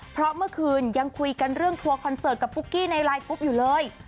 เพราะเมื่อคืนยังคุยกันเรื่องทัวร์คอนเสิร์ตกับปุ๊กกี้ในไลน์กรุ๊ปอยู่เลย